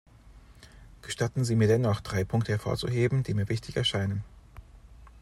Gestatten Sie mir dennoch, drei Punkte hervorzuheben, die mir wichtig erscheinen.